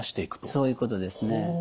そういうことですね。